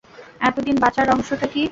এতদিন বাঁচার রহস্যটা কি?